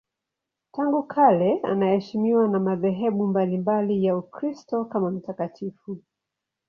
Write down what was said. Tangu kale anaheshimiwa na madhehebu mbalimbali ya Ukristo kama mtakatifu.